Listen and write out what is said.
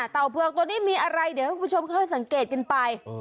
เต่าเผือกตัวนี้มีอะไรเดี๋ยวให้คุณผู้ชมค่อยสังเกตกันไป